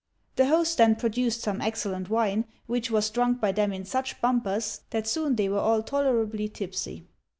The host then produced some excellent wine, which was drunk by them in such bumpers that soon they were all tolerably tipsy.